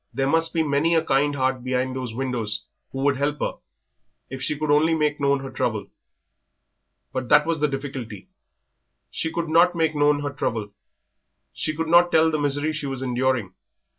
There must be many a kind heart behind those windows who would help her if she could only make known her trouble. But that was the difficulty. She could not make known her trouble; she could not tell the misery she was enduring.